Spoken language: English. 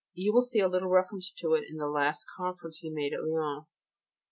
You will see a little reference to it in the last conference he gave at Lyons.